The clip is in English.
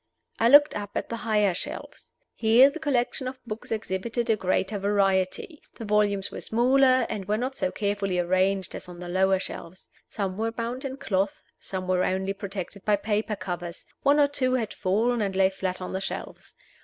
I looked up at the higher shelves. Here the collection of books exhibited a greater variety. The volumes were smaller, and were not so carefully arranged as on the lower shelves. Some were bound in cloth, some were only protected by paper covers; one or two had fallen, and lay flat on the shelves.